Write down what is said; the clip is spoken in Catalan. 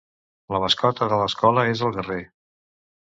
La mascota de l'escola és el Guerrer.